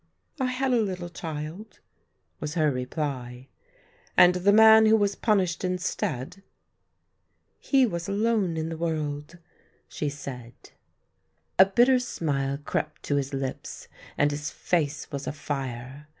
" I had a little child," was her reply. " And the man who was punished instead ?"" He was alone in the world," she said. A bitter smile crept to his lips, and his face was afire.